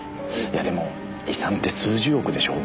いやでも遺産って数十億でしょ？